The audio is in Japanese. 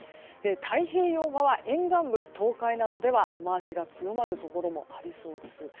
太平洋側沿岸部東海などでは雨脚が強まるところもありそうです。